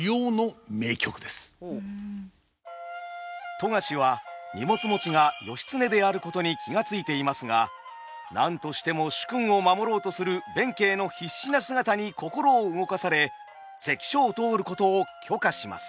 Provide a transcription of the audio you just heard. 富樫は荷物持ちが義経であることに気が付いていますが何としても主君を守ろうとする弁慶の必死な姿に心を動かされ関所を通ることを許可します。